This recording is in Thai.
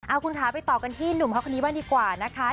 เอาคุณคะไปต่อกันที่หนุ่มเขาคนนี้บ้างดีกว่านะคะ